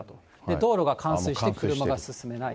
道路が冠水して車が進めない。